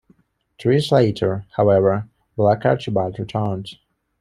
Three years later, however, Black Archibald returned.